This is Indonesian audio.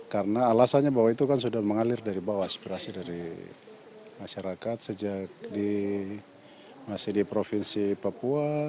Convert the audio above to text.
karena alasannya bahwa itu kan sudah mengalir dari bawah aspirasi dari masyarakat sejak masih di provinsi papua